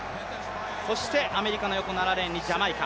そしてアメリカの横、７レーンにジャマイカ。